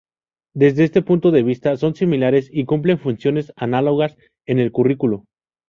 Desde este punto de vista son similares y cumplen funciones análogas en el currículo.